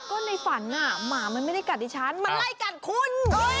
ก็ในฝันหมามันไม่ได้กัดดิฉันมันไล่กัดคุณ